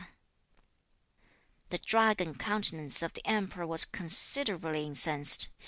The Dragon countenance of the Emperor was considerably incensed.